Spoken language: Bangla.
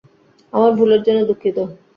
আমার ভুলের জন্য, দুঃখিত।